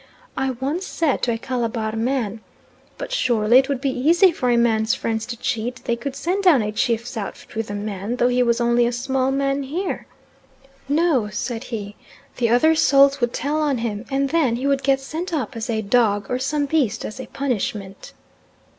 I once said to a Calabar man, "But surely it would be easy for a man's friends to cheat; they could send down a chief's outfit with a man, though he was only a small man here?" "No," said he, "the other souls would tell on him, and then he would get sent up as a dog or some beast as a punishment."